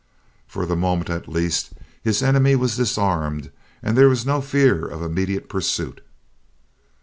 For the moment, at least, his enemy was disarmed and there was no fear of immediate pursuit.